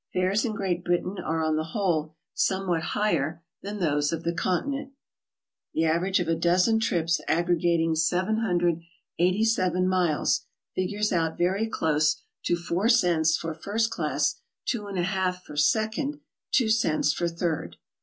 Fares in Great Britain are on the whole somewhat higher than those of the Continent. The average of a dozen trips aggregating 787 miles figures out very close to 4 cents for first class; 2 1 2 for second; 2 cents for third.